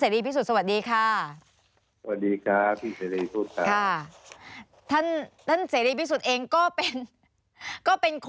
สนุนโดยน้ำดื่มสิง